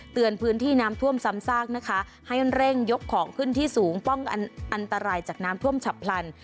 พื้นที่น้ำท่วมซ้ำซากนะคะให้เร่งยกของขึ้นที่สูงป้องกันอันตรายจากน้ำท่วมฉับพลัน